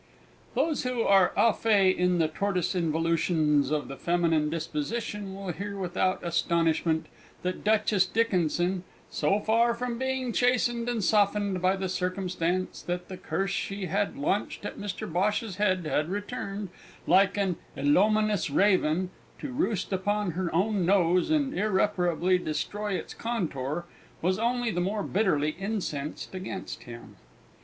_ Those who are au faits in the tortoise involutions of the feminine disposition will hear without astonishment that Duchess Dickinson so far from being chastened and softened by the circumstance that the curse she had launched at Mr Bhosh's head had returned, like an illominous raven, to roost upon her own nose and irreparably destroy its contour was only the more bitterly incensed against him.